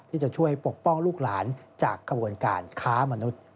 ที่จะช่วยปกป้องลูกหลานจากกระบวนการค้ามนุษย์